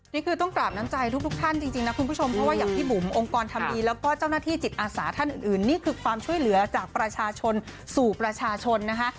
นี่คือต้องกราบน้ำใจทุกท่านจริงนะคุณผู้ชมเพราะว่าอย่างพี่บุ๋มองค์กรทำดีแล้วก็เจ้าหน้าที่จิตอาสาท่านอื่นนี่คือความช่วยเหลือจากประชาชนสู่ประชาชนนะคะ